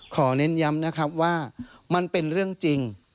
เน้นย้ำนะครับว่ามันเป็นเรื่องจริง